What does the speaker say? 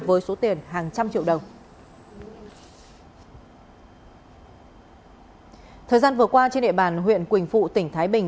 với số tiền hàng trăm triệu đồng ở thời gian vừa qua trên địa bàn huyện quỳnh phụ tỉnh thái bình